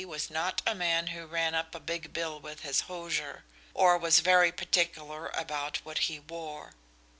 was not a man who ran up a big bill with his hosier, or was very particular about what he wore.